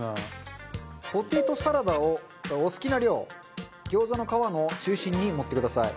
ポテトサラダをお好きな量餃子の皮の中心に盛ってください。